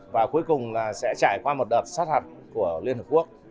và cuối cùng là sẽ trải qua một đợt sát hạt của liên hợp quốc